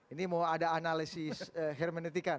ini mau ada analisis hermenetika